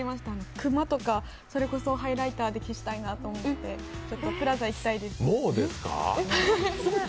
くまとかそれこそハイライトで消したいなと思ってＰＬＡＺＡ行きたいです。